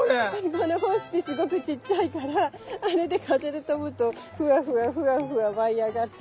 この胞子ってすごくちっちゃいからあれで風で飛ぶとフワフワフワフワ舞い上がって。